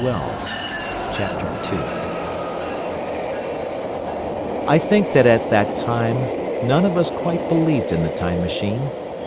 The Time Traveller Returns I think that at that time none of us quite believed in the Time Machine.